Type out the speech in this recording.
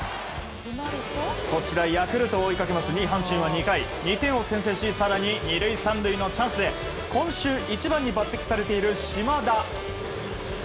ヤクルトを追いかけます２位、阪神は２回２点を先制し更に２塁３塁のチャンスで今週１番に抜擢されている島田。